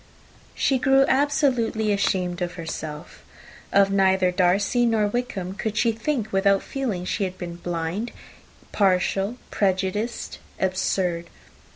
She grew absolutely ashamed of herself. Of neither Darcy nor Wickham could she think, without feeling that she had been blind, partial, prejudiced, absurd.